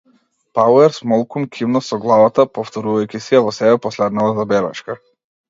Пауерс молкум кимна со главата, повторувајќи си ја во себе последнава забелешка.